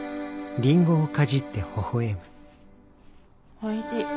おいしい。